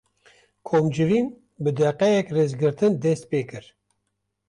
Komcivîn, bi deqeyek rêzgirtin dest pê kir